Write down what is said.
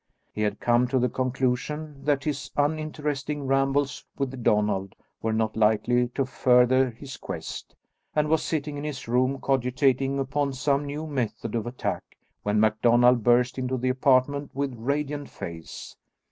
He had come to the conclusion that his uninteresting rambles with Donald were not likely to further his quest, and was sitting in his room cogitating upon some new method of attack when MacDonald burst into the apartment with radiant face.